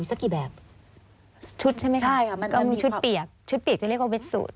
สักกี่แบบชุดใช่ไหมคะใช่ค่ะมันก็มีชุดเปียกชุดเปียกจะเรียกว่าเว็ดสูตร